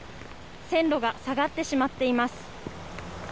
線路が下がってしまっています。